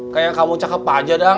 kayak kamu cakep aja dah